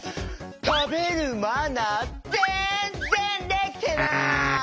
たべるマナーぜんぜんできてない！